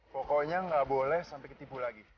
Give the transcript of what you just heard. pokoknya nggak boleh sampai ketipu lagi